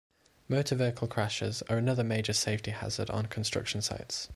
Motor vehicle crashes are another major safety hazard on construction sites.